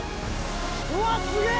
うわっすげえ